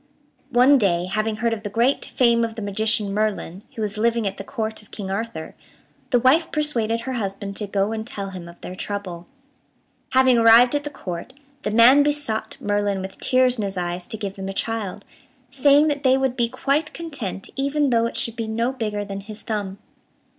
One day, having heard of the great fame of the magician Merlin, who was living at the Court of King Arthur, the wife persuaded her husband to go and tell him of their trouble. Having arrived at the Court, the man besought Merlin with tears in his eyes to give them a child, saying that they would be quite content even though it should be no bigger than his thumb.